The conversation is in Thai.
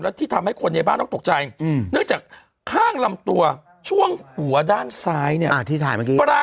แล้วที่ทำให้คนในบ้านต้องตกใจเนื่องจากข้างลำตัวช่วงหัวด้านซ้ายเนี่ย